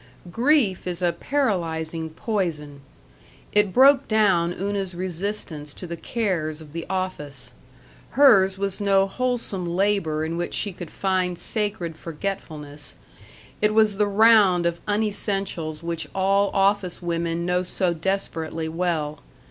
Grief is a paralyzing poison. It broke down Una's resistance to the cares of the office. Hers was no wholesome labor in which she could find sacred forgetfulness. It was the round of unessentials which all office women know so desperately well.